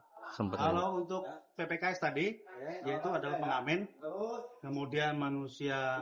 kalau untuk ppks tadi yaitu adalah pengamen kemudian manusia